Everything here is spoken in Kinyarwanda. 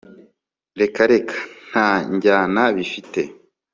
reka reka nta njyana bifite